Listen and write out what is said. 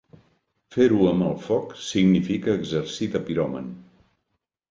Fer-ho amb el foc significa exercir de piròman.